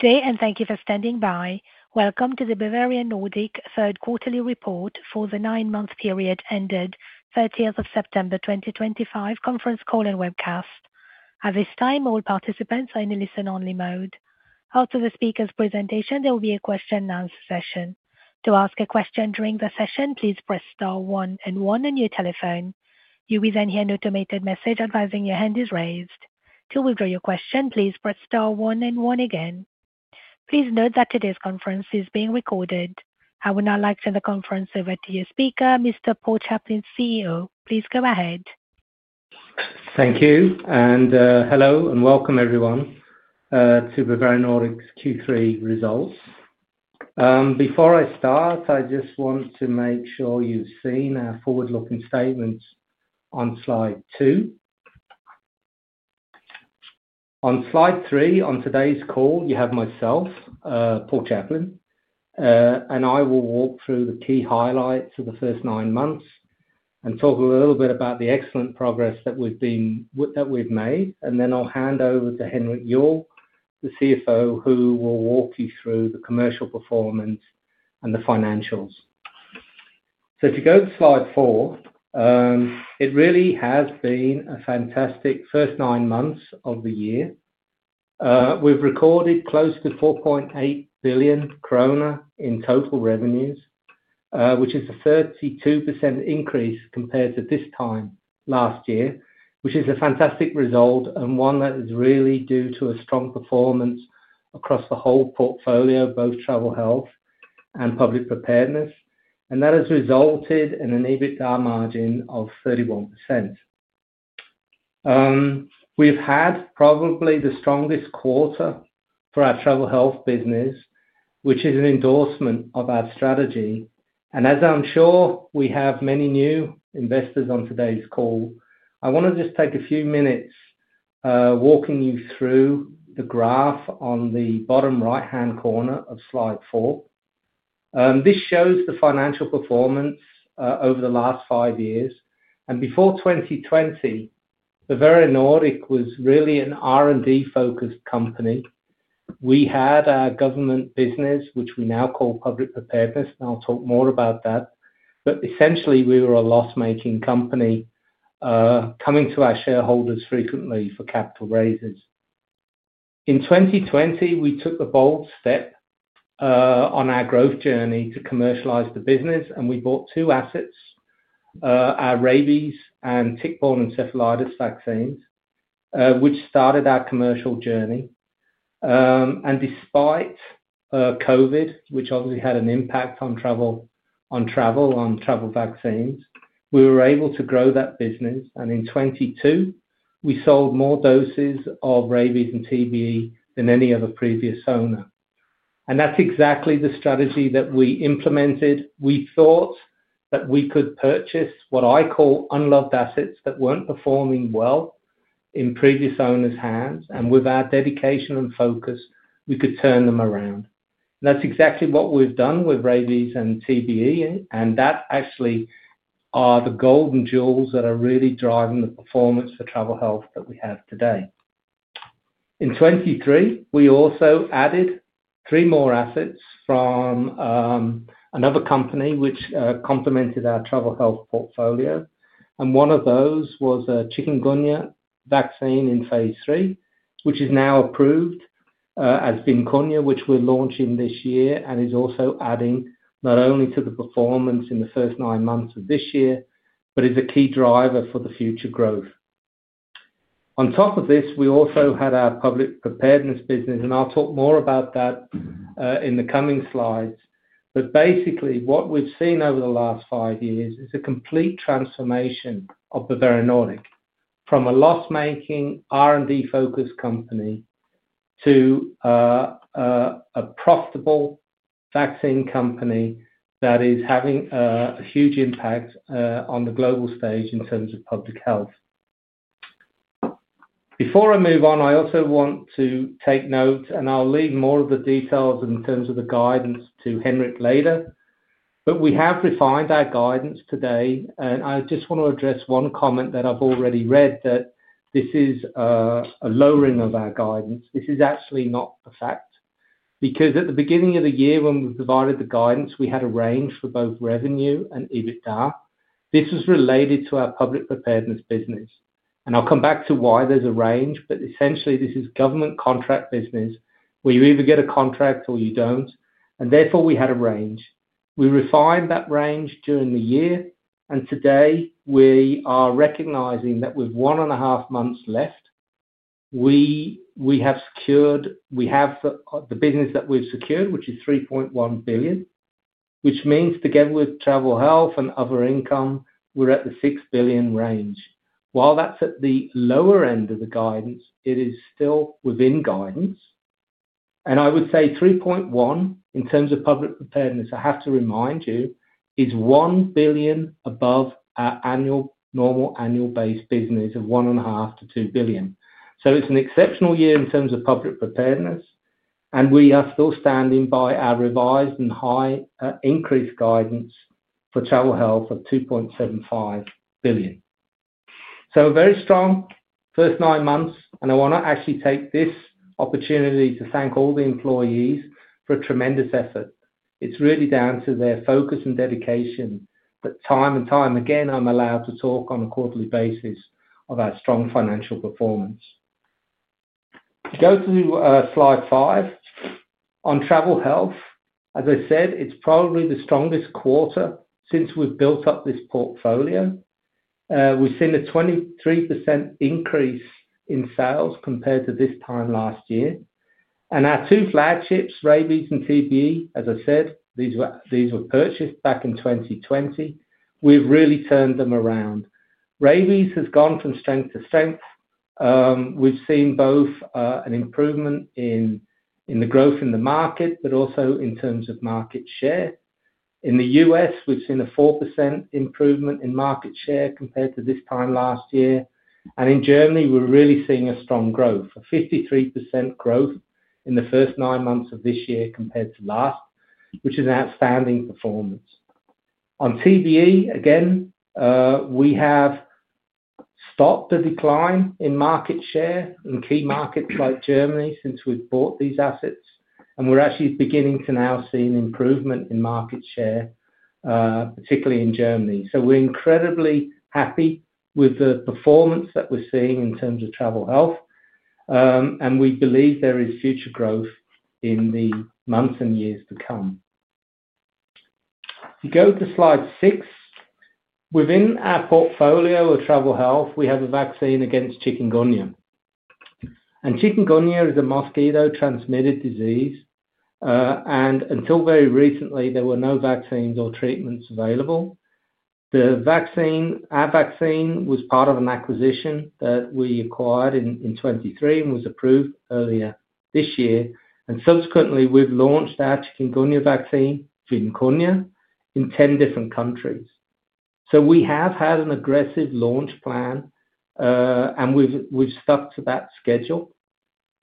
Good day, and thank you for standing by. Welcome to the Bavarian Nordic Third Quarterly Report for the Nine-Month Period Ended 30th of September 2025 Conference Call and Webcast. At this time, all participants are in a listen-only mode. After the speaker's presentation, there will be a question-and-answer session. To ask a question during the session, please press star one and one on your telephone. You will then hear an automated message advising your hand is raised. To withdraw your question, please press star one and one again. Please note that today's conference is being recorded. I will now lecture the conference over to your speaker, Mr. Paul Chaplin, CEO. Please go ahead. Thank you, and hello and welcome everyone to Bavarian Nordic's Q3 results. Before I start, I just want to make sure you've seen our forward-looking statements on slide two. On slide three, on today's call, you have myself, Paul Chaplin, and I will walk through the key highlights of the first nine months and talk a little bit about the excellent progress that we've made. I will hand over to Henrik Juuel, the CFO, who will walk you through the commercial performance and the financials. If you go to slide four, it really has been a fantastic first nine months of the year. We've recorded close to 4.8 billion krone in total revenues, which is a 32% increase compared to this time last year, which is a fantastic result and one that is really due to a strong performance across the whole portfolio, both travel health and public preparedness. That has resulted in an EBITDA margin of 31%. We've had probably the strongest quarter for our travel health business, which is an endorsement of our strategy. As I'm sure we have many new investors on today's call, I want to just take a few minutes walking you through the graph on the bottom right-hand corner of slide four. This shows the financial performance over the last five years. Before 2020, Bavarian Nordic was really an R&D-focused company. We had our government business, which we now call public preparedness, and I'll talk more about that. Essentially, we were a loss-making company coming to our shareholders frequently for capital raises. In 2020, we took the bold step on our growth journey to commercialize the business, and we bought two assets, our rabies and tick-borne encephalitis vaccines, which started our commercial journey. Despite COVID, which obviously had an impact on travel and travel vaccines, we were able to grow that business. In 2022, we sold more doses of rabies and TBE than any other previous owner. That is exactly the strategy that we implemented. We thought that we could purchase what I call unloved assets that were not performing well in previous owners' hands. With our dedication and focus, we could turn them around. That is exactly what we have done with rabies and TBE, and that actually are the golden jewels that are really driving the performance for travel health that we have today. In 2023, we also added three more assets from another company which complemented our travel health portfolio. One of those was a chikungunya vaccine in phase three, which is now approved as Vimkunya, which we are launching this year and is also adding not only to the performance in the first nine months of this year, but is a key driver for the future growth. On top of this, we also had our public preparedness business, and I will talk more about that in the coming slides. Basically, what we have seen over the last five years is a complete transformation of Bavarian Nordic from a loss-making R&D-focused company to a profitable vaccine company that is having a huge impact on the global stage in terms of public health. Before I move on, I also want to take notes, and I'll leave more of the details in terms of the guidance to Henrik later. We have refined our guidance today, and I just want to address one comment that I've already read, that this is a lowering of our guidance. This is actually not a fact. Because at the beginning of the year, when we provided the guidance, we had a range for both revenue and EBITDA. This was related to our public preparedness business. I'll come back to why there's a range, but essentially, this is government contract business where you either get a contract or you don't. Therefore, we had a range. We refined that range during the year, and today, we are recognizing that with one and a half months left, we have secured the business that we have secured, which is 3.1 billion, which means together with travel health and other income, we are at the 6 billion range. While that is at the lower end of the guidance, it is still within guidance. I would say 3.1 billion in terms of public preparedness, I have to remind you, is 1 billion above our normal annual base business of 1.5-2 billion. It is an exceptional year in terms of public preparedness, and we are still standing by our revised and high increased guidance for travel health of 2.75 billion. A very strong first nine months, and I want to actually take this opportunity to thank all the employees for a tremendous effort. It's really down to their focus and dedication that time and time again, I'm allowed to talk on a quarterly basis of our strong financial performance. Go to slide five. On travel health, as I said, it's probably the strongest quarter since we've built up this portfolio. We've seen a 23% increase in sales compared to this time last year. And our two flagships, rabies and TBE, as I said, these were purchased back in 2020. We've really turned them around. Rabies has gone from strength to strength. We've seen both an improvement in the growth in the market, but also in terms of market share. In the U.S., we've seen a 4% improvement in market share compared to this time last year. In Germany, we're really seeing strong growth, a 53% growth in the first nine months of this year compared to last, which is an outstanding performance. On TBE, again, we have stopped the decline in market share in key markets like Germany since we've bought these assets. We're actually beginning to now see an improvement in market share, particularly in Germany. We're incredibly happy with the performance that we're seeing in terms of travel health, and we believe there is future growth in the months and years to come. If you go to slide six, within our portfolio of travel health, we have a vaccine against chikungunya. Chikungunya is a mosquito-transmitted disease, and until very recently, there were no vaccines or treatments available. Our vaccine was part of an acquisition that we acquired in 2023 and was approved earlier this year. Subsequently, we've launched our chikungunya vaccine, Vimkunya, in 10 different countries. We have had an aggressive launch plan, and we've stuck to that schedule.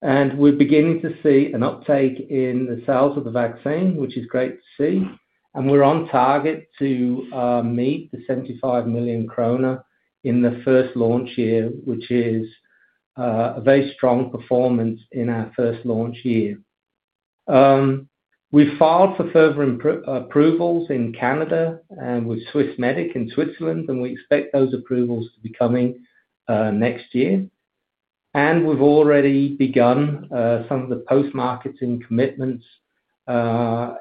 We're beginning to see an uptake in the sales of the vaccine, which is great to see. We're on target to meet the 75 million kroner in the first launch year, which is a very strong performance in our first launch year. We've filed for further approvals in Canada and with Swissmedic in Switzerland, and we expect those approvals to be coming next year. We've already begun some of the post-marketing commitments for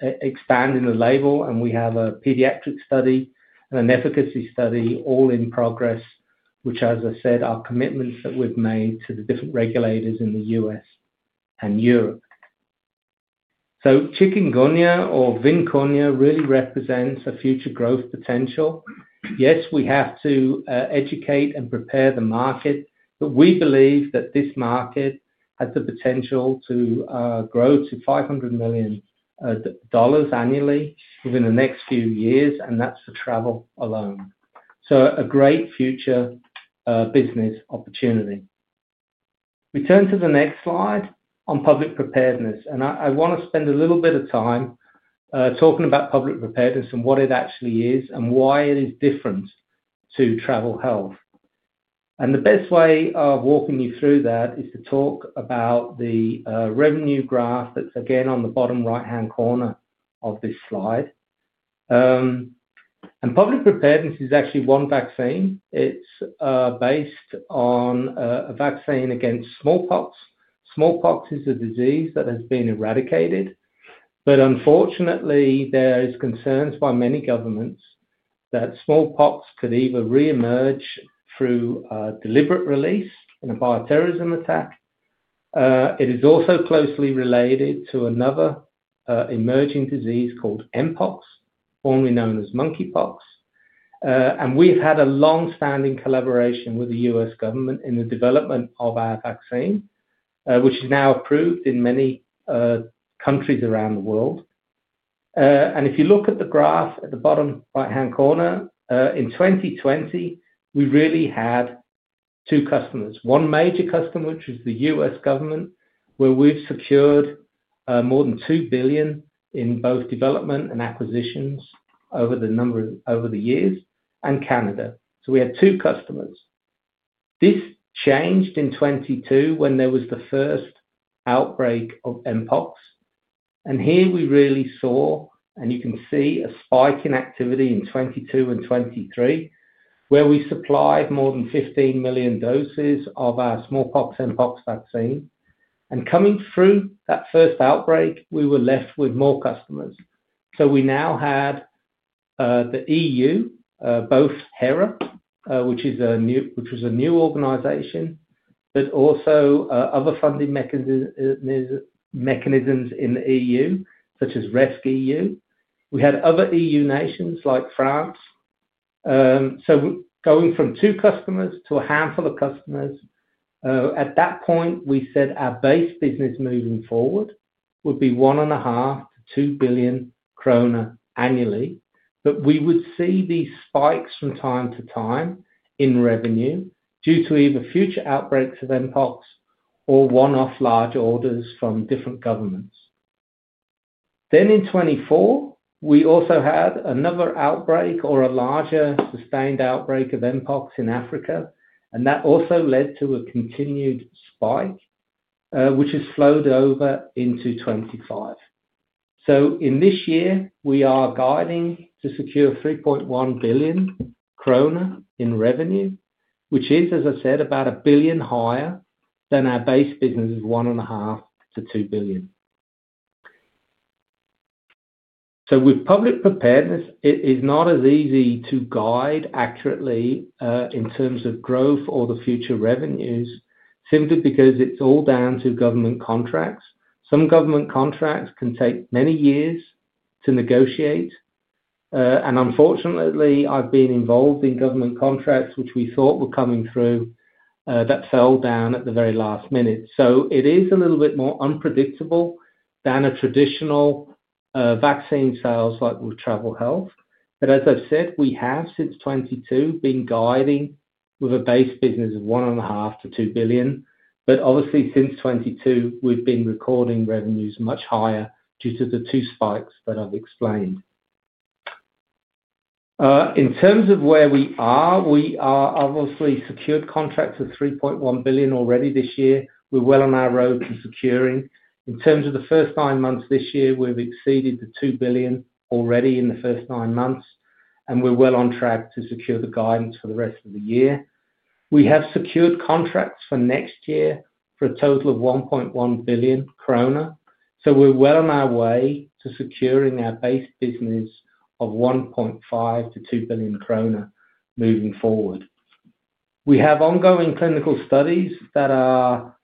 expanding the label, and we have a pediatric study and an efficacy study all in progress, which, as I said, are commitments that we've made to the different regulators in the U.S. and Europe. Chikungunya or Vimkunya really represents a future growth potential. Yes, we have to educate and prepare the market, but we believe that this market has the potential to grow to $500 million annually within the next few years, and that's for travel alone. A great future business opportunity. We turn to the next slide on public preparedness, and I want to spend a little bit of time talking about public preparedness and what it actually is and why it is different to travel health. The best way of walking you through that is to talk about the revenue graph that's again on the bottom right-hand corner of this slide. Public preparedness is actually one vaccine. It's based on a vaccine against smallpox. Smallpox is a disease that has been eradicated, but unfortunately, there are concerns by many governments that smallpox could either reemerge through deliberate release in a bioterrorism attack. It is also closely related to another emerging disease called mpox, formerly known as monkeypox. We have had a long-standing collaboration with the U.S. government in the development of our vaccine, which is now approved in many countries around the world. If you look at the graph at the bottom right-hand corner, in 2020, we really had two customers. One major customer, which was the U.S. government, where we have secured more than 2 billion in both development and acquisitions over the years, and Canada. We had two customers. This changed in 2022 when there was the first outbreak of mpox. Here we really saw, and you can see a spike in activity in 2022 and 2023, where we supplied more than 15 million doses of our smallpox mpox vaccine. Coming through that first outbreak, we were left with more customers. We now had the EU, both HERA, which was a new organization, but also other funding mechanisms in the EU, such as rescEU. We had other EU nations like France. Going from two customers to a handful of customers, at that point, we said our base business moving forward would be 1.5 billion-2 billion krone annually. We would see these spikes from time to time in revenue due to either future outbreaks of mpox or one-off large orders from different governments. In 2024, we also had another outbreak or a larger sustained outbreak of mpox in Africa, and that also led to a continued spike, which has flowed over into 2025. In this year, we are guiding to secure 3.1 billion kroner in revenue, which is, as I said, about a billion higher than our base business of 1.5 billion-2 billion. With public preparedness, it is not as easy to guide accurately in terms of growth or the future revenues, simply because it's all down to government contracts. Some government contracts can take many years to negotiate. Unfortunately, I've been involved in government contracts which we thought were coming through that fell down at the very last minute. It is a little bit more unpredictable than traditional vaccine sales like with travel health. As I've said, we have since 2022 been guiding with a base business of 1.5 billion-2 billion. Obviously, since 2022, we've been recording revenues much higher due to the two spikes that I've explained. In terms of where we are, we have obviously secured contracts of 3.1 billion already this year. We're well on our road to securing. In terms of the first nine months this year, we've exceeded the 2 billion already in the first nine months, and we're well on track to secure the guidance for the rest of the year. We have secured contracts for next year for a total of 1.1 billion krone. So we're well on our way to securing our base business of 1.5-2 billion kroner moving forward. We have ongoing clinical studies that are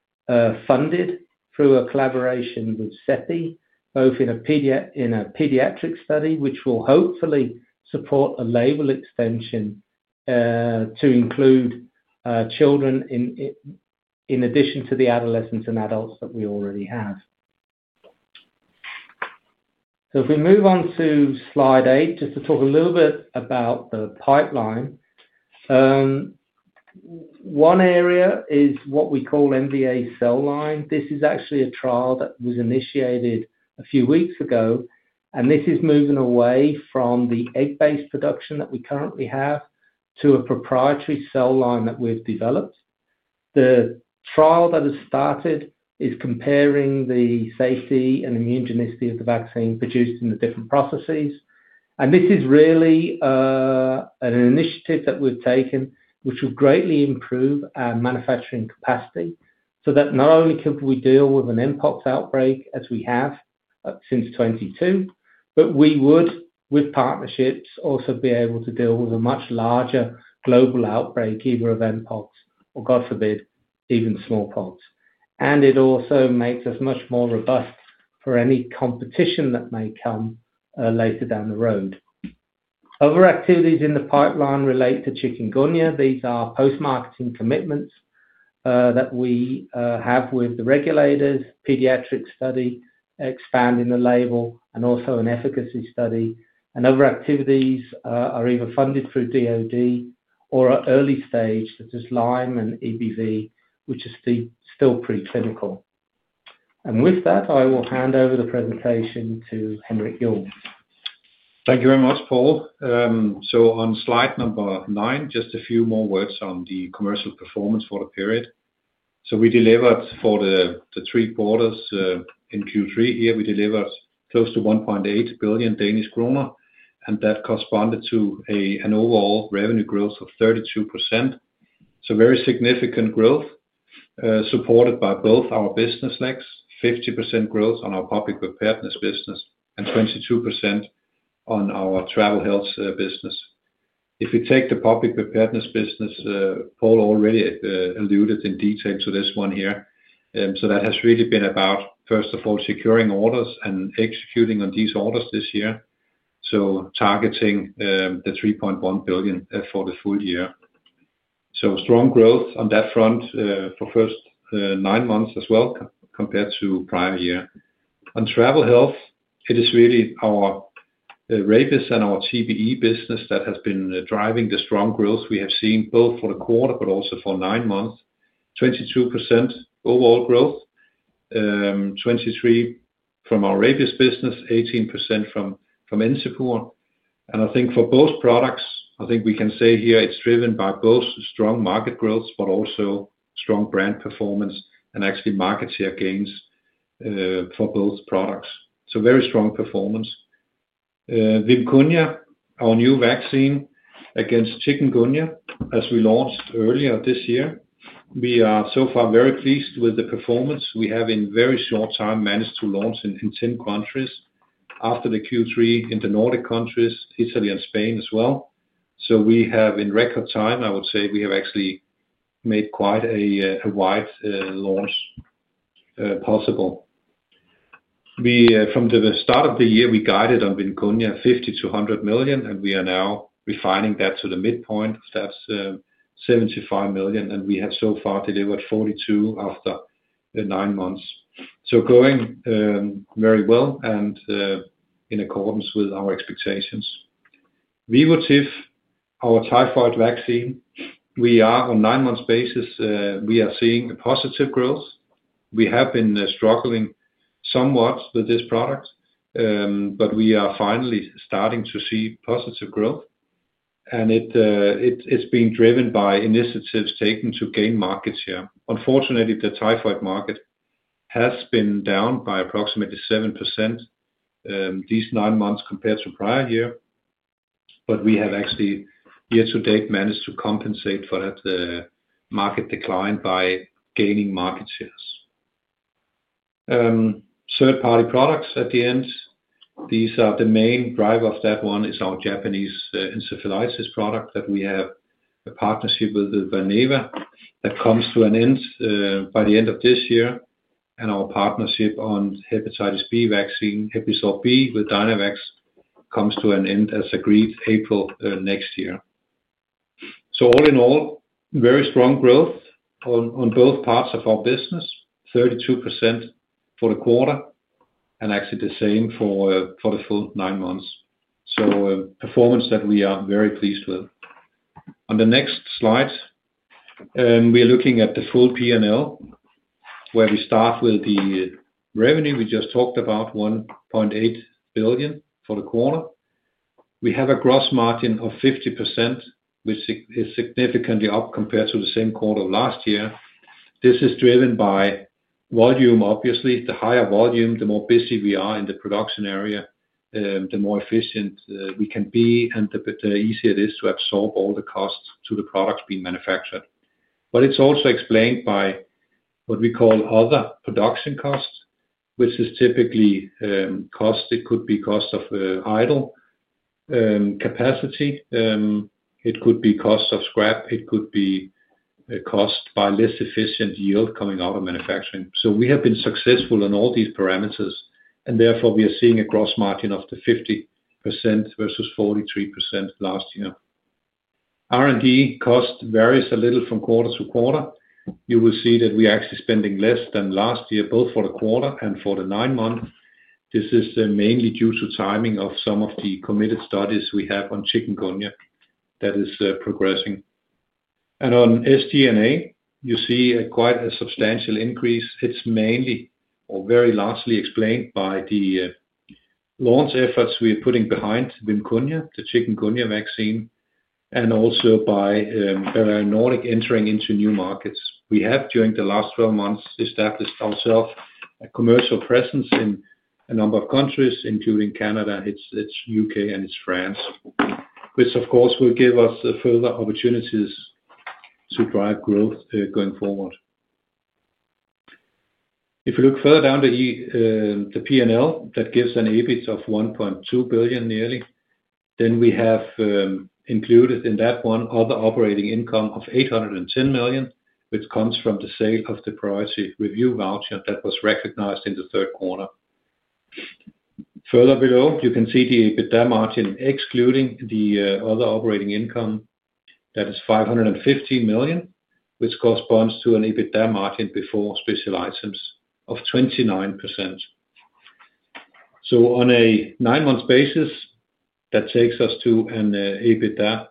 funded through a collaboration with CEPI, both in a pediatric study, which will hopefully support a label extension to include children in addition to the adolescents and adults that we already have. If we move on to slide eight, just to talk a little bit about the pipeline. One area is what we call NVA Cell Line. This is actually a trial that was initiated a few weeks ago, and this is moving away from the egg-based production that we currently have to a proprietary cell line that we've developed. The trial that has started is comparing the safety and immunogenicity of the vaccine produced in the different processes. This is really an initiative that we've taken, which will greatly improve our manufacturing capacity so that not only could we deal with an mpox outbreak as we have since 2022, we would, with partnerships, also be able to deal with a much larger global outbreak, either of mpox or, God forbid, even smallpox. It also makes us much more robust for any competition that may come later down the road. Other activities in the pipeline relate to chikungunya. These are post-marketing commitments that we have with the regulators, pediatric study, expanding the label, and also an efficacy study. Other activities are either funded through DOD or are early stage, such as Lyme and EBV, which is still preclinical. With that, I will hand over the presentation to Henrik Juuel. Thank you very much, Paul. On slide number nine, just a few more words on the commercial performance for the period. We delivered for the three quarters in Q3 here, we delivered close to 1.8 billion Danish kroner, and that corresponded to an overall revenue growth of 32%. Very significant growth supported by both our business legs, 50% growth on our public preparedness business and 22% on our travel health business. If you take the public preparedness business, Paul already alluded in detail to this one here. That has really been about, first of all, securing orders and executing on these orders this year, targeting the 3.1 billion for the full year. Strong growth on that front for the first nine months as well compared to prior year. On travel health, it is really our rabies and our TBE business that has been driving the strong growth we have seen both for the quarter but also for nine months, 22% overall growth, 23% from our rabies business, 18% from Encepur. I think for both products, I think we can say here it's driven by both strong market growth, but also strong brand performance and actually market share gains for both products. Very strong performance. Vimkunya, our new vaccine against chikungunya, as we launched earlier this year. We are so far very pleased with the performance. We have in very short time managed to launch in 10 countries after the Q3 in the Nordic countries, Italy and Spain as well. We have in record time, I would say we have actually made quite a wide launch possible. From the start of the year, we guided on Vimkunya, 50-100 million, and we are now refining that to the midpoint. That's 75 million, and we have so far delivered 42 after nine months. Going very well and in accordance with our expectations. Vivotif, our typhoid vaccine, we are on nine-month basis, we are seeing a positive growth. We have been struggling somewhat with this product, but we are finally starting to see positive growth, and it's being driven by initiatives taken to gain market share. Unfortunately, the typhoid market has been down by approximately 7% these nine months compared to prior year, but we have actually year-to-date managed to compensate for that market decline by gaining market shares. Third-party products at the end, these are the main driver of that one is our Japanese encephalitis product that we have a partnership with Vernova that comes to an end by the end of this year. And our partnership on hepatitis B vaccine, HEPLISAV-B with DynoVox, comes to an end as agreed April next year. All in all, very strong growth on both parts of our business, 32% for the quarter and actually the same for the full nine months. Performance that we are very pleased with. On the next slide, we are looking at the full P&L, where we start with the revenue. We just talked about 1.8 billion for the quarter. We have a gross margin of 50%, which is significantly up compared to the same quarter of last year. This is driven by volume, obviously. The higher volume, the more busy we are in the production area, the more efficient we can be and the easier it is to absorb all the costs to the products being manufactured. It is also explained by what we call other production costs, which is typically cost. It could be cost of idle capacity. It could be cost of scrap. It could be cost by less efficient yield coming out of manufacturing. We have been successful on all these parameters, and therefore we are seeing a gross margin of the 50% versus 43% last year. R&D cost varies a little from quarter to quarter. You will see that we are actually spending less than last year, both for the quarter and for the nine months. This is mainly due to timing of some of the committed studies we have on chikungunya that is progressing. On SG&A, you see quite a substantial increase. It is mainly or very largely explained by the launch efforts we are putting behind Vimkunya, the chikungunya vaccine, and also by Bavarian Nordic entering into new markets. We have, during the last 12 months, established ourselves a commercial presence in a number of countries, including Canada, the U.K., and France, which, of course, will give us further opportunities to drive growth going forward. If you look further down the P&L, that gives an EBIT of 1.2 billion nearly. We have included in that one other operating income of 810 million, which comes from the sale of the priority review voucher that was recognized in the third quarter. Further below, you can see the EBITDA margin excluding the other operating income. That is 515 million, which corresponds to an EBITDA margin before special license of 29%. On a nine-month basis, that takes us to an EBITDA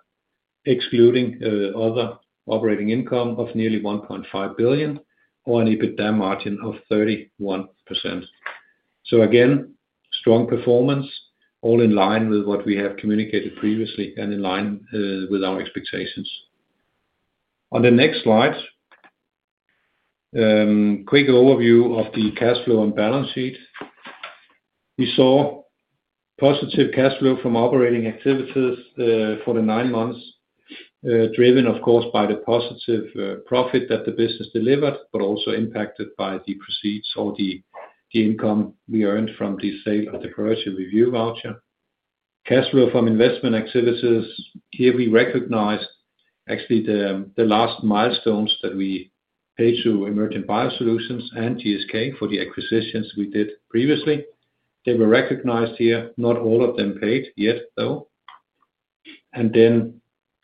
excluding other operating income of nearly 1.5 billion or an EBITDA margin of 31%. Again, strong performance, all in line with what we have communicated previously and in line with our expectations. On the next slide, quick overview of the cash flow and balance sheet. We saw positive cash flow from operating activities for the nine months, driven, of course, by the positive profit that the business delivered, but also impacted by the proceeds or the income we earned from the sale of the priority review voucher. Cash flow from investment activities, here we recognized actually the last milestones that we paid to Emergent BioSolutions and GSK for the acquisitions we did previously. They were recognized here. Not all of them paid yet, though.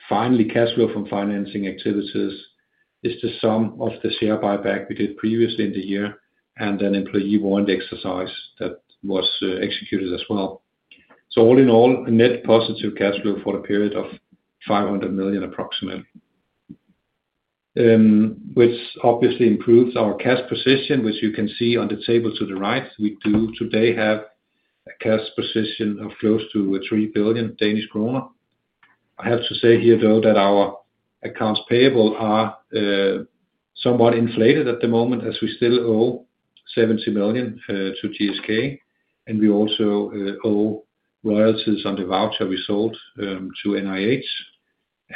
Finally, cash flow from financing activities is the sum of the share buyback we did previously in the year and then employee warrant exercise that was executed as well. All in all, net positive cash flow for the period of 500 million approximately, which obviously improves our cash position, which you can see on the table to the right. We do today have a cash position of close to 3 billion Danish kroner. I have to say here, though, that our accounts payable are somewhat inflated at the moment as we still owe 70 million to GSK, and we also owe royalties on the voucher we sold to NIH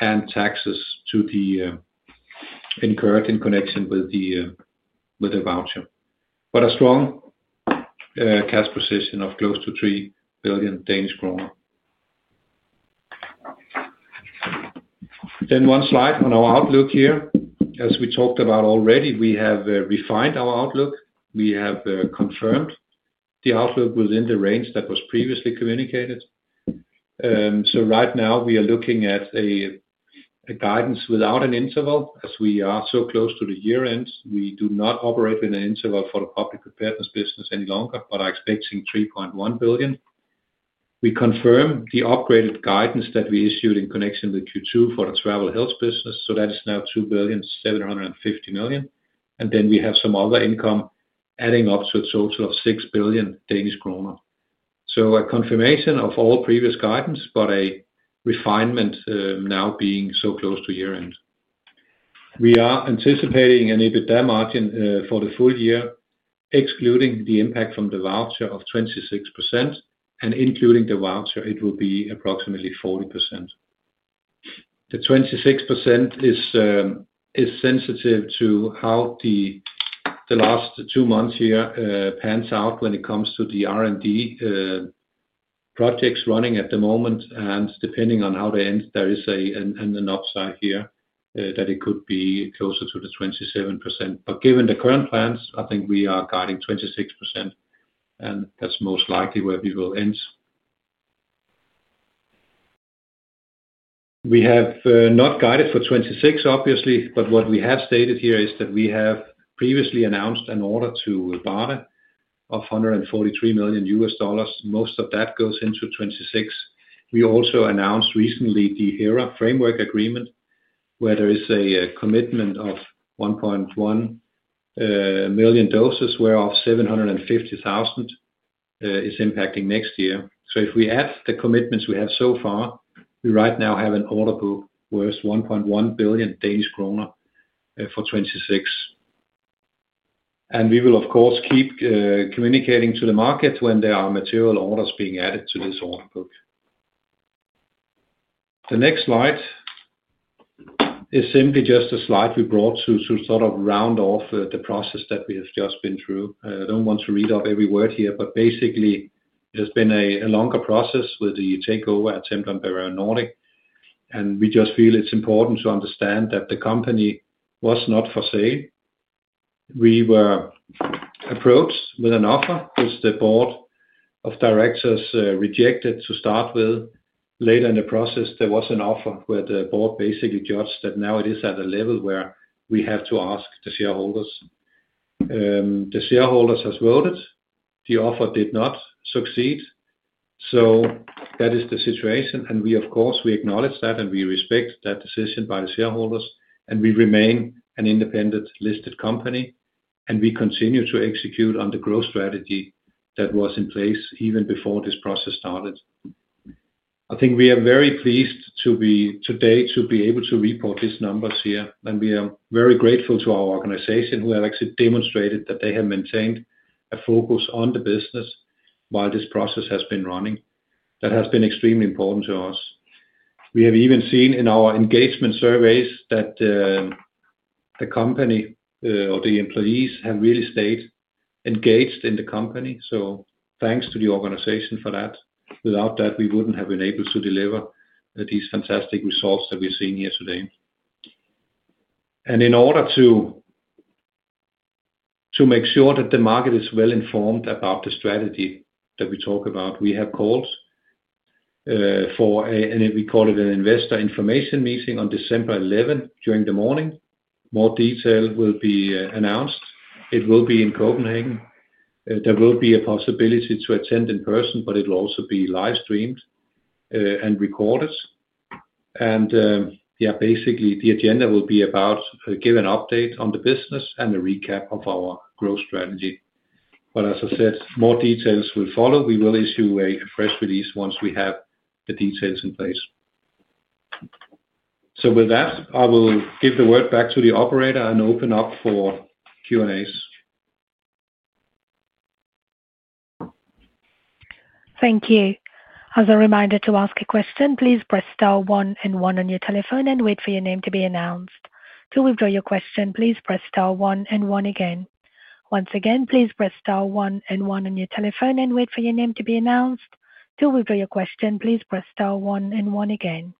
and taxes incurred in connection with the voucher. A strong cash position of close to 3 billion Danish kroner. One slide on our outlook here. As we talked about already, we have refined our outlook. We have confirmed the outlook within the range that was previously communicated. Right now, we are looking at a guidance without an interval. As we are so close to the year-end, we do not operate in an interval for the public preparedness business any longer, but are expecting 3.1 billion. We confirm the upgraded guidance that we issued in connection with Q2 for the travel health business. That is now 2,750 million Then we have some other income adding up to a total of 6 billion Danish kroner. A confirmation of all previous guidance, but a refinement now being so close to year-end. We are anticipating an EBITDA margin for the full year, excluding the impact from the voucher, of 26%, and including the voucher, it will be approximately 40%. The 26% is sensitive to how the last two months here pans out when it comes to the R&D projects running at the moment. Depending on how they end, there is an upside here that it could be closer to 27%. Given the current plans, I think we are guiding 26%, and that's most likely where we will end. We have not guided for 2026, obviously, but what we have stated here is that we have previously announced an order to Varda of $143 million. Most of that goes into 2026. We also announced recently the HERA framework agreement where there is a commitment of 1.1 million doses, whereof 750,000 is impacting next year. If we add the commitments we have so far, we right now have an order book worth 1.1 billion Danish kroner for 2026. We will, of course, keep communicating to the market when there are material orders being added to this order book. The next slide is simply just a slide we brought to sort of round off the process that we have just been through. I don't want to read up every word here, but basically, it has been a longer process with the takeover attempt on Bavarian Nordic, and we just feel it's important to understand that the company was not for sale. We were approached with an offer which the board of directors rejected to start with. Later in the process, there was an offer where the board basically judged that now it is at a level where we have to ask the shareholders. The shareholders have voted. The offer did not succeed. That is the situation, and we, of course, acknowledge that and we respect that decision by the shareholders, and we remain an independent listed company, and we continue to execute on the growth strategy that was in place even before this process started. I think we are very pleased today to be able to report these numbers here, and we are very grateful to our organization who have actually demonstrated that they have maintained a focus on the business while this process has been running. That has been extremely important to us. We have even seen in our engagement surveys that the company or the employees have really stayed engaged in the company. Thanks to the organization for that. Without that, we wouldn't have been able to deliver these fantastic results that we're seeing here today. In order to make sure that the market is well informed about the strategy that we talk about, we have called for, and we call it an investor information meeting on December 11th during the morning. More detail will be announced. It will be in Copenhagen. There will be a possibility to attend in person, but it will also be live-streamed and recorded. Yeah, basically, the agenda will be about giving an update on the business and a recap of our growth strategy. As I said, more details will follow. We will issue a press release once we have the details in place. With that, I will give the word back to the operator and open up for Q&As. Thank you. As a reminder to ask a question, please press star one and one on your telephone and wait for your name to be announced. To withdraw your question, please press star one and one again. Once again, please press star one and one on your telephone and wait for your name to be announced. To withdraw your question, please press star one and one again.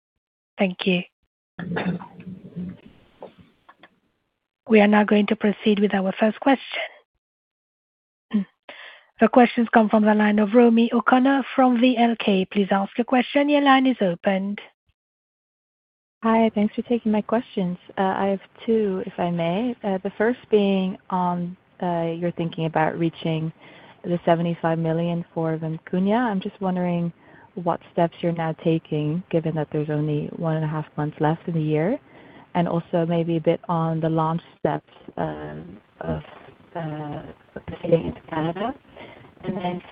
Thank you. We are now going to proceed with our first question. The questions come from the line of Romy O'Connor from VLK. Please ask a question. Your line is opened. Hi. Thanks for taking my questions. I have two, if I may. The first being on your thinking about reaching the 75 million for Vimkunya. I'm just wondering what steps you're now taking, given that there's only one and a half months left in the year, and also maybe a bit on the launch steps of getting into Canada.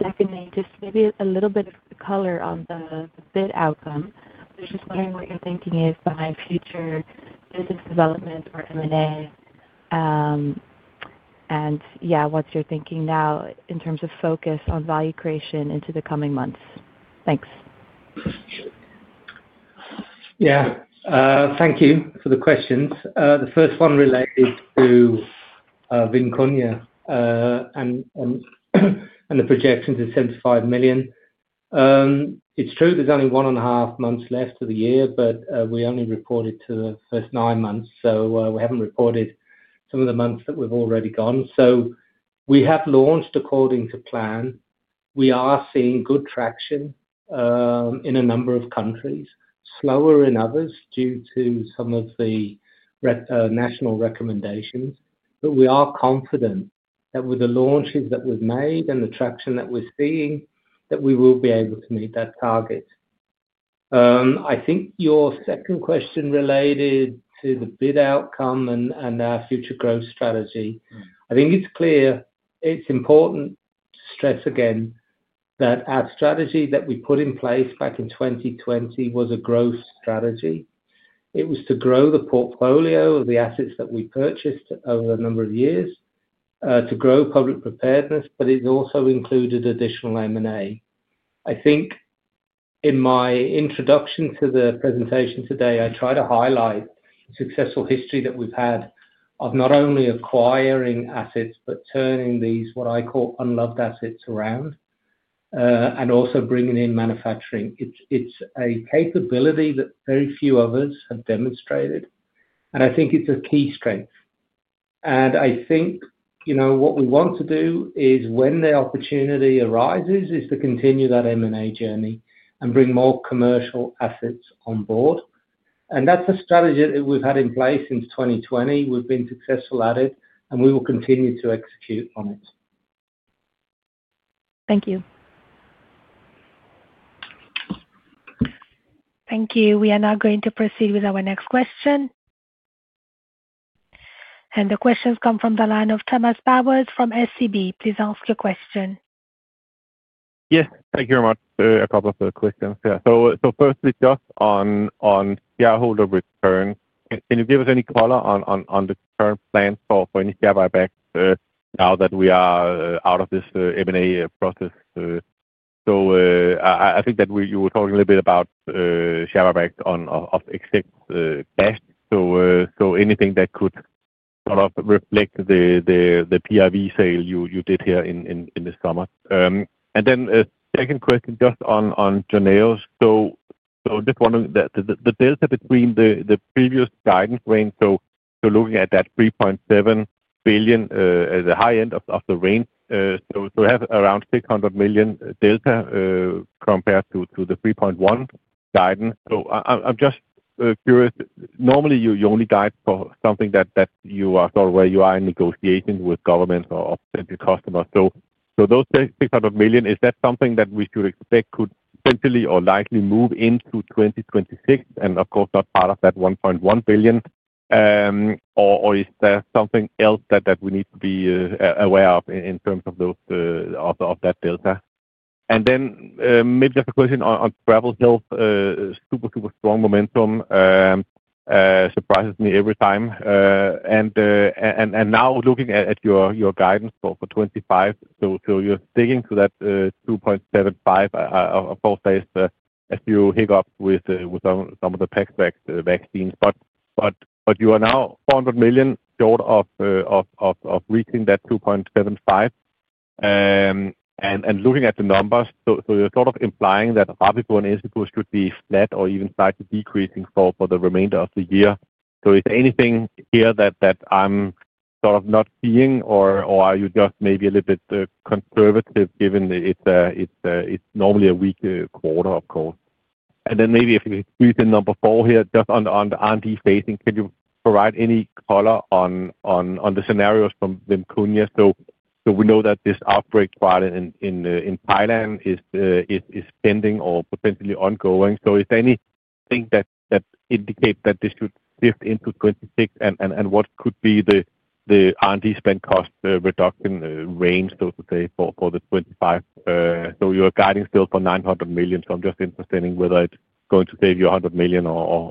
Secondly, just maybe a little bit of color on the bid outcome. I'm just wondering what your thinking is behind future business development or M&A, and yeah, what's your thinking now in terms of focus on value creation into the coming months. Thanks. Yeah. Thank you for the questions. The first one related to Vimkunya and the projection to 75 million. It's true there's only one and a half months left of the year, but we only reported to the first nine months, so we haven't reported some of the months that have already gone. We have launched according to plan. We are seeing good traction in a number of countries, slower in others due to some of the national recommendations, but we are confident that with the launches that we've made and the traction that we're seeing, we will be able to meet that target. I think your second question related to the bid outcome and our future growth strategy. I think it's clear it's important to stress again that our strategy that we put in place back in 2020 was a growth strategy. It was to grow the portfolio of the assets that we purchased over a number of years, to grow public preparedness, but it also included additional M&A. I think in my introduction to the presentation today, I try to highlight the successful history that we've had of not only acquiring assets but turning these, what I call, unloved assets around and also bringing in manufacturing. It's a capability that very few others have demonstrated, and I think it's a key strength. I think what we want to do is when the opportunity arises is to continue that M&A journey and bring more commercial assets on board. That's a strategy that we've had in place since 2020. We've been successful at it, and we will continue to execute on it. Thank you. Thank you. We are now going to proceed with our next question. The questions come from the line of Thomas Bowers from SEB. Please ask your question. Yes. Thank you very much for the question. Firstly, just on shareholder return, can you give us any color on the current plans for any share buyback now that we are out of this M&A process? I think that you were talking a little bit about share buyback of exec cash, so anything that could sort of reflect the PIV sale you did here in the summer. Second question just wondering, the delta between the previous guidance range, looking at that 3.7 billion at the high end of the range, we have around 600 million delta compared to the 3.1 billion guidance. I'm just curious, normally you only guide for something that you are sort of where you are in negotiations with governments or potential customers. Those 600 million, is that something that we should expect could potentially or likely move into 2026? Of course, that is part of that 1.1 billion, or is there something else that we need to be aware of in terms of that delta? Maybe just a question on travel health, super, super strong momentum surprises me every time. Now looking at your guidance for 2025, you are sticking to that 2.75 billion, I'll say, as you hiccup with some of the pox vaccines. You are now 400 million short of reaching that 2.75 billion. Looking at the numbers, you are sort of implying that Ravipoor and Institute should be flat or even slightly decreasing for the remainder of the year. Is there anything here that I'm sort of not seeing, or are you just maybe a little bit conservative given it's normally a weak quarter, of course? Maybe if we squeeze in number four here, just on the anti-facing, can you provide any color on the scenarios from Vimkunya? We know that this outbreak trial in Thailand is pending or potentially ongoing. Is there anything that indicates that this should shift into 2026, and what could be the anti-spend cost reduction range, so to say, for 2025? You're guiding still for 900 million, so I'm just interested in whether it's going to save you 100 million or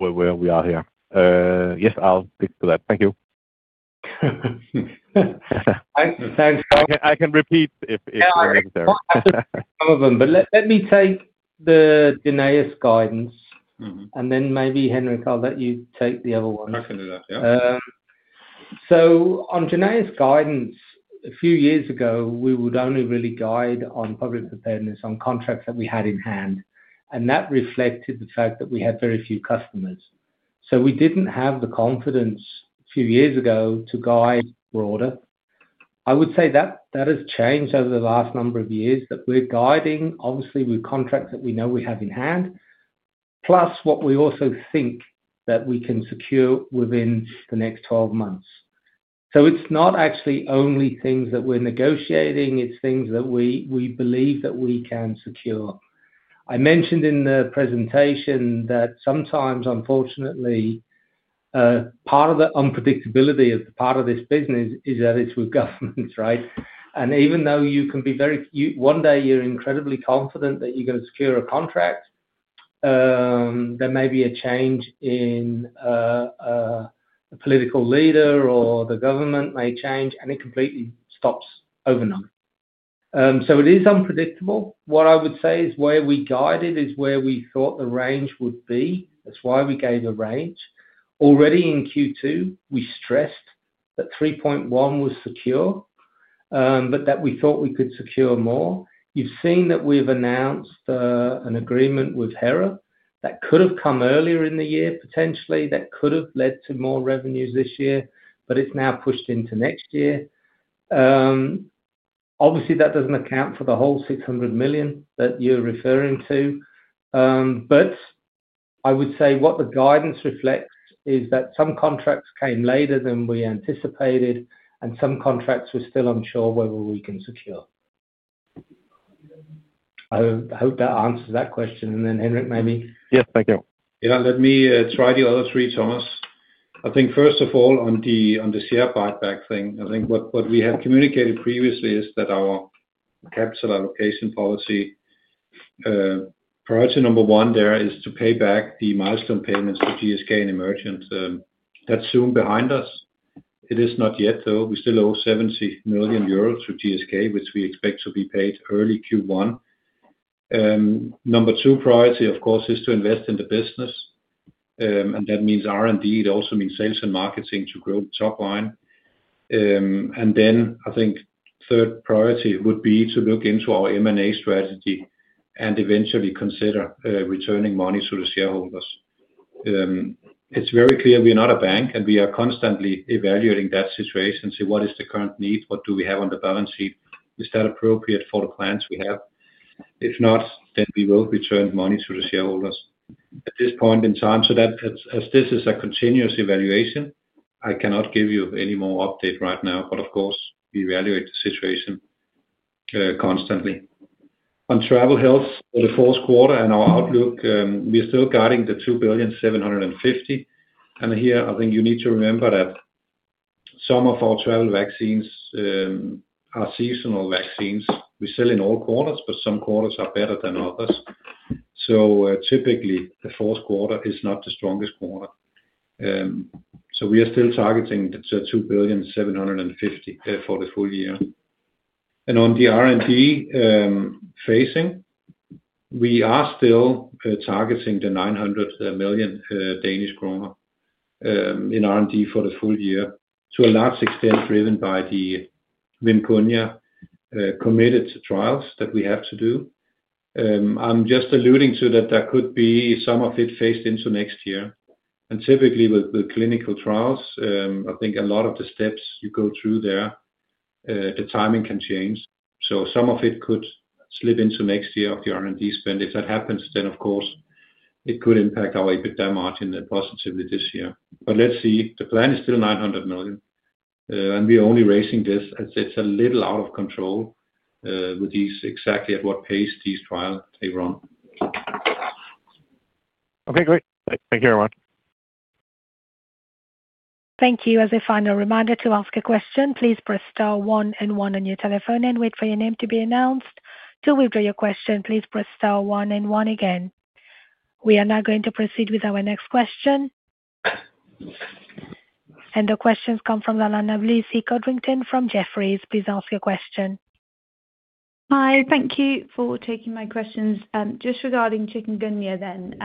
where we are here. Yes, I'll stick to that. Thank you. Thanks. I can repeat if necessary. Some of them. Let me take Jornell's guidance, and then maybe Henrik, I'll let you take the other one. I can do that, yeah. On JYNNEOS guidance, a few years ago, we would only really guide on public preparedness on contracts that we had in hand, and that reflected the fact that we had very few customers. We did not have the confidence a few years ago to guide broader. I would say that that has changed over the last number of years that we are guiding, obviously, with contracts that we know we have in hand, plus what we also think that we can secure within the next 12 months. It is not actually only things that we are negotiating; it is things that we believe that we can secure. I mentioned in the presentation that sometimes, unfortunately, part of the unpredictability of part of this business is that it is with governments, right? Even though you can be very—one day you're incredibly confident that you're going to secure a contract, there may be a change in a political leader or the government may change, and it completely stops overnight. It is unpredictable. What I would say is where we guided is where we thought the range would be. That's why we gave a range. Already in Q2, we stressed that 3.1 billion was secure, but that we thought we could secure more. You've seen that we've announced an agreement with HERA that could have come earlier in the year, potentially, that could have led to more revenues this year, but it's now pushed into next year. Obviously, that doesn't account for the whole 600 million that you're referring to. I would say what the guidance reflects is that some contracts came later than we anticipated, and some contracts we're still unsure whether we can secure. I hope that answers that question. Henrik, maybe. Yes, thank you. Yeah, let me try the other three, Thomas. I think first of all, on the share buyback thing, I think what we have communicated previously is that our capital allocation policy, priority number one there is to pay back the milestone payments to GSK and Emergent. That is soon behind us. It is not yet, though. We still owe 70 million euros to GSK, which we expect to be paid early Q1. Number two priority, of course, is to invest in the business, and that means R&D. It also means sales and marketing to grow the top line. I think third priority would be to look into our M&A strategy and eventually consider returning money to the shareholders. It's very clear we're not a bank, and we are constantly evaluating that situation to see what is the current need, what do we have on the balance sheet, is that appropriate for the plans we have. If not, then we will return money to the shareholders at this point in time. As this is a continuous evaluation, I cannot give you any more update right now, but of course, we evaluate the situation constantly. On travel health for the fourth quarter and our outlook, we're still guiding the 2.75 billion. Here, I think you need to remember that some of our travel vaccines are seasonal vaccines. We sell in all quarters, but some quarters are better than others. Typically, the fourth quarter is not the strongest quarter. We are still targeting the 2.75 billion for the full year. On the R&D facing, we are still targeting the 900 million Danish kroner in R&D for the full year, to a large extent driven by the Vimkunya committed trials that we have to do. I'm just alluding to that there could be some of it phased into next year. Typically, with clinical trials, I think a lot of the steps you go through there, the timing can change. Some of it could slip into next year of the R&D spend. If that happens, of course, it could impact our EBITDA margin positively this year. Let's see. The plan is still 900 million, and we're only raising this. It's a little out of control with these exactly at what pace these trials they run. Okay, great. Thank you very much. Thank you. As a final reminder to ask a question, please press star one and one on your telephone and wait for your name to be announced. To withdraw your question, please press star one and one again. We are now going to proceed with our next question. The questions come from line of Lucy Codrington from Jefferies. Please ask your question. Hi. Thank you for taking my questions. Just regarding chikungunya then,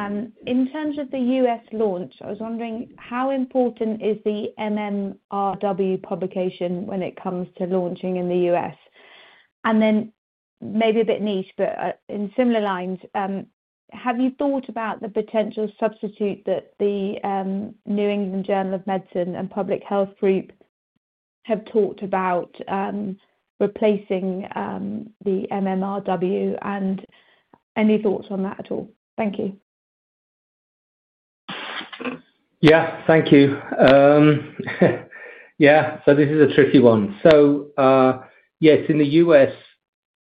in terms of the U.S. launch, I was wondering how important is the MMWR publication when it comes to launching in the U.S.? Maybe a bit niche, but in similar lines, have you thought about the potential substitute that the New England Journal of Medicine and Public Health Group have talked about replacing the MMWR? Any thoughts on that at all? Thank you. Yeah, thank you. Yeah, so this is a tricky one. Yes, in the U.S.,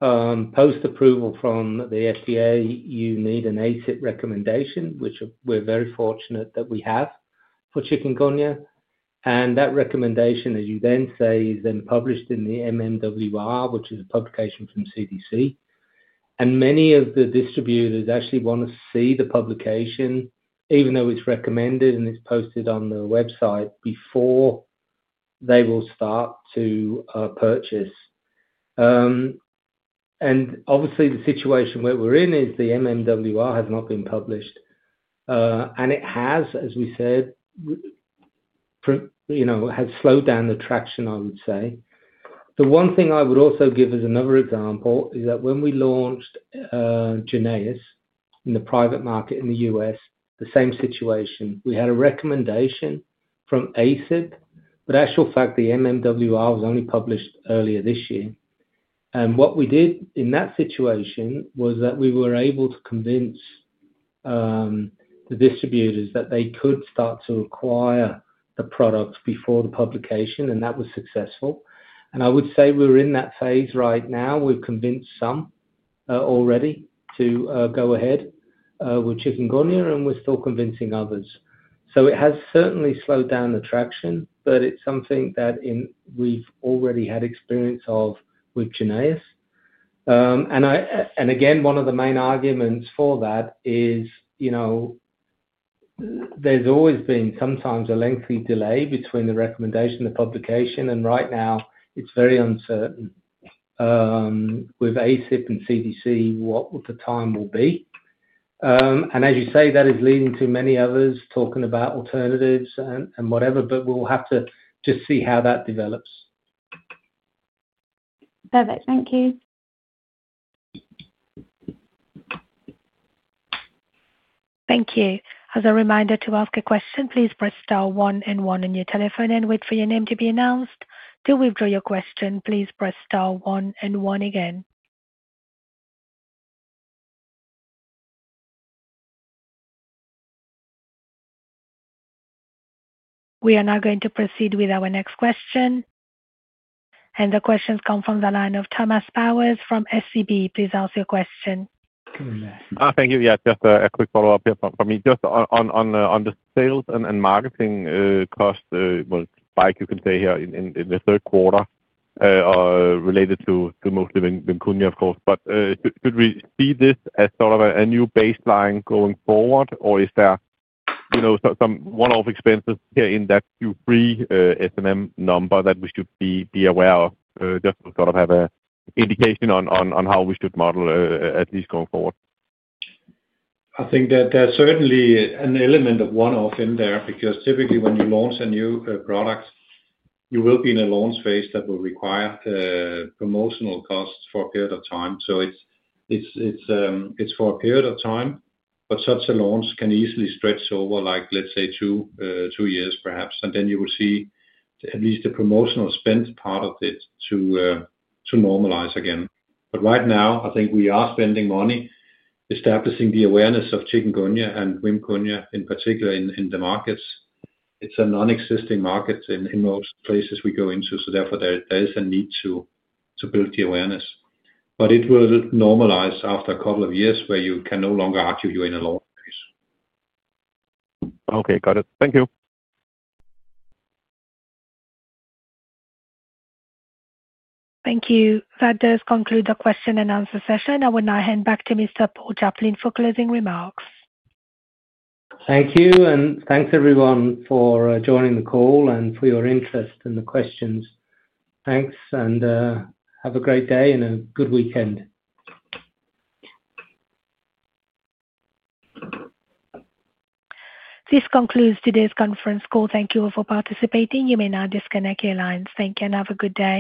post-approval from the FDA, you need an ACIP recommendation, which we're very fortunate that we have for Chikungunya. That recommendation, as you then say, is then published in the MMWR, which is a publication from CDC. Many of the distributors actually want to see the publication, even though it's recommended and it's posted on the website, before they will start to purchase. Obviously, the situation where we're in is the MMWR has not been published, and it has, as we said, has slowed down the traction, I would say. The one thing I would also give as another example is that when we launched JYNNEOS in the private market in the U.S., the same situation. We had a recommendation from ACIP, but in actual fact, the MMWR was only published earlier this year. What we did in that situation was that we were able to convince the distributors that they could start to acquire the product before the publication, and that was successful. I would say we're in that phase right now. We've convinced some already to go ahead with Chikungunya, and we're still convincing others. It has certainly slowed down the traction, but it's something that we've already had experience of with Jynneos. One of the main arguments for that is there's always been sometimes a lengthy delay between the recommendation and the publication, and right now, it's very uncertain with ACIP and CDC what the time will be. As you say, that is leading to many others talking about alternatives and whatever, but we'll have to just see how that develops. Perfect. Thank you. Thank you. As a reminder to ask a question, please press star one and one on your telephone and wait for your name to be announced. To withdraw your question, please press star one and one again. We are now going to proceed with our next question. The questions come from the line of Thomas Bowers from SEB. Please ask your question. Thank you. Yeah, just a quick follow-up here from me. Just on the sales and marketing costs, like you can say here in the third quarter, related to mostly Vimkunya, of course. Should we see this as sort of a new baseline going forward, or is there some one-off expenses here in that Q3 SMM number that we should be aware of, just to sort of have an indication on how we should model, at least going forward? I think that there's certainly an element of one-off in there because typically when you launch a new product, you will be in a launch phase that will require promotional costs for a period of time. It is for a period of time, but such a launch can easily stretch over, let's say, two years perhaps, and then you will see at least the promotional spend part of it normalize again. Right now, I think we are spending money establishing the awareness of chikungunya and Vimkunya in particular in the markets. It is a non-existing market in most places we go into, so therefore there is a need to build the awareness. It will normalize after a couple of years where you can no longer argue you are in a launch phase. Okay, got it. Thank you. Thank you. That does conclude the question and answer session. I will now hand back to Mr. Paul Chaplin for closing remarks. Thank you, and thanks everyone for joining the call and for your interest in the questions. Thanks, and have a great day and a good weekend. This concludes today's conference call. Thank you all for participating. You may now disconnect your lines. Thank you and have a good day.